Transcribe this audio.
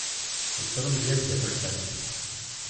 Yeččur umedyaz d iḥulfan.